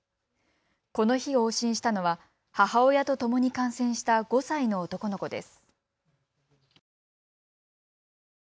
この日、往診したのは母親とともに感染した５歳の男の子です。